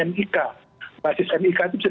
nik basis nik itu bisa